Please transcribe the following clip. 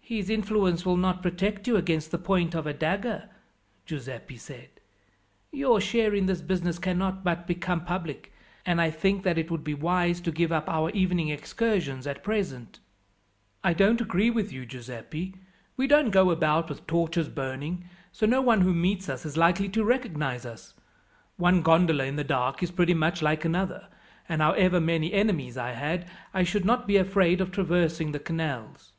"His influence will not protect you against the point of a dagger," Giuseppi said. "Your share in this business cannot but become public, and I think that it would be wise to give up our evening excursions at present." "I don't agree with you, Giuseppi. We don't go about with torches burning, so no one who meets us is likely to recognize us. One gondola in the dark is pretty much like another, and however many enemies I had, I should not be afraid of traversing the canals."